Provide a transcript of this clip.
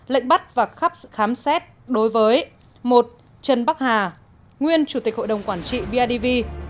lệnh bắt và khám xét đối với một trần bắc hà nguyên chủ tịch hội đồng quản trị bidv